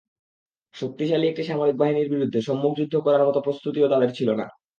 শক্তিশালী একটি সামরিক বাহিনীর বিরুদ্ধে সম্মুখযুদ্ধ করার মতো প্রস্তুতিও তাদের ছিল না।